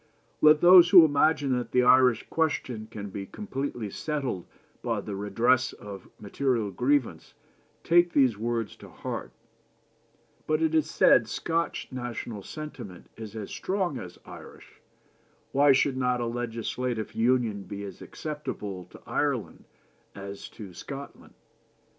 " Let those who imagine that the Irish question can be completely settled by the redress of material grievances take those words to heart. But, it is said, Scotch national sentiment is as strong as Irish, why should not a legislative union be as acceptable to Ireland as to Scotland?